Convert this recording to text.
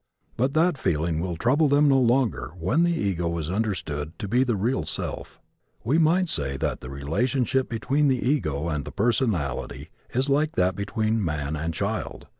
But that feeling will trouble them no longer when the ego is understood to be the real self. We might say that the relationship between the ego and the personality is like that between man and child.